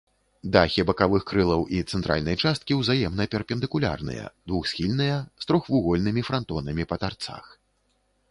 Дахі бакавых крылаў і цэнтральнай часткі ўзаемна перпендыкулярныя, двухсхільныя, з трохвугольнымі франтонамі па тарцах.